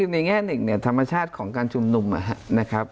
ในแง่หนึ่งเนี่ยธรรมชาติของการชุมนุมนะครับ